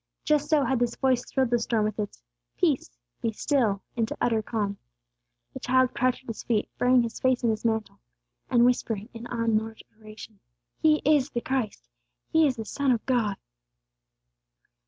Just so had this voice thrilled the storm with its "Peace! Be still!" into utter calm. The child crouched at His feet, burying his face in his mantle, and whispering, in awe and adoration, "He is the Christ! He is the son of God!"